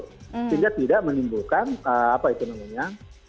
sehingga tidak menimbulkan apa itu namanya